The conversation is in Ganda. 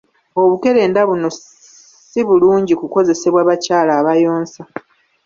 Obukerenda buno so bulungi kukozesebwa bakyala abayonsa.